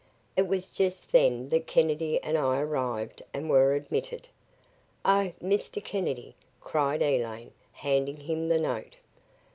It was just then that Kennedy and I arrived and were admitted. "Oh, Mr. Kennedy," cried Elaine, handing him the note.